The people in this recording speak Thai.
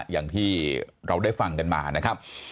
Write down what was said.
อย่างที่เราได้ฟังกันมานะครับ